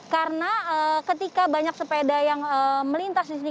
karena ketika banyak sepeda yang melintas disini